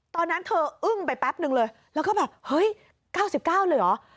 ตอนนั้นเธออึ้งไปแป๊บนึงเลยแล้วก็แบบเฮ้ย๙๙เลยเหรอ